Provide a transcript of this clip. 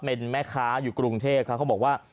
เป็นแม่ค้าอยู่กรุงเทพครับเขาบอกว่า